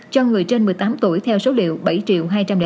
cho người trên một mươi tám tuổi theo số liệu